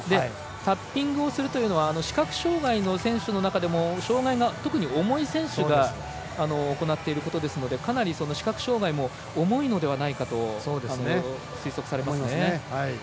タッピングをするというのは視覚障がいの選手の中でも障がいが特に重い選手が行っていることですのでかなり視覚障がいも重いのではないかと推測されます。